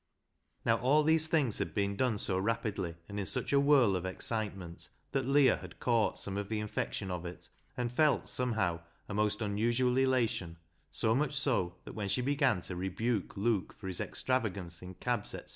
Now all these things had been done so rapidly and in such a whirl of excitement that Leah had caught some of the infection of it, and felt some how a most unusual elation, so much so, that when she began to rebuke Luke for his ex LEAH'S LOVER loi travagance in cabs, etc.